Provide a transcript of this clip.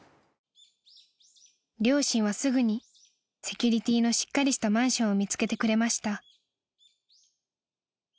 ［両親はすぐにセキュリティーのしっかりしたマンションを見つけてくれました］